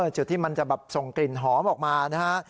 จุดที่มันจะแบบส่งกลิ่นหอมออกมานะฮะ